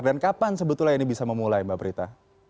dan kapan sebetulnya ini bisa memulai mbak prita